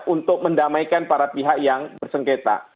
untuk mendamaikan para pihak yang bersengketa